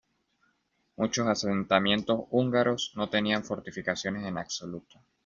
Muchos asentamientos húngaros no tenían fortificaciones en absoluto.